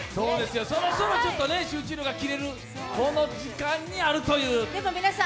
そもそも集中力が切れるこの時間にあるという。